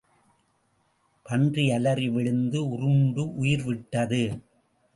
பன்றி அலறி விழுந்து உருண்டு உயிர் விட்டது.